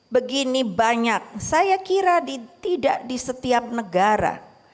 begini banyak saya kira tidak di setiap negara